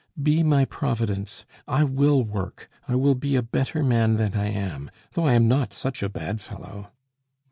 Be my Providence! I will work; I will be a better man than I am, though I am not such a bad fellow!"